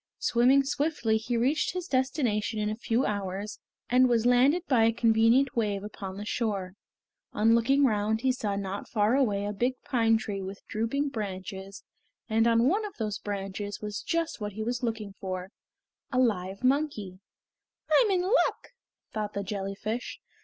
Swimming swiftly he reached his destination in a few hours, and was landed by a convenient wave upon the shore. On looking round he saw not far away a big pine tree with drooping branches and on one of those branches was just what he was looking for a live monkey. "I'm in luck!" thought the jellyfish.